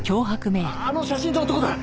あの写真の男だ！